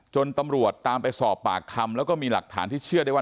จนตำรวจตามไปสอบปากคำแล้วก็มีหลักฐานที่เชื่อได้ว่า